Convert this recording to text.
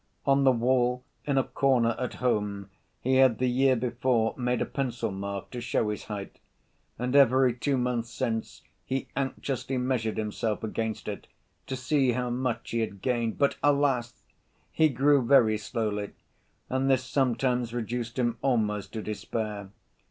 On the wall in a corner at home he had the year before made a pencil‐mark to show his height, and every two months since he anxiously measured himself against it to see how much he had gained. But alas! he grew very slowly, and this sometimes reduced him almost to despair.